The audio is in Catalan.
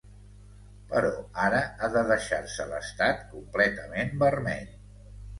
Però ara, ha de deixar-se l'estat completament vermell.